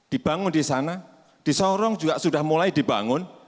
dibangun di sana di sorong juga sudah mulai dibangun